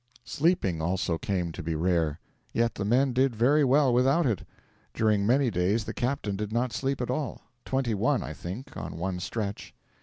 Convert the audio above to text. Sleeping also came to be rare. Yet the men did very well without it. During many days the captain did not sleep at all twenty one, I think, on one stretch.